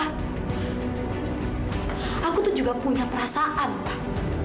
aku tuh juga punya perasaan pak